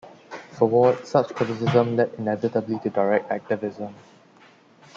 For Ward, such criticism led inevitably to direct activism.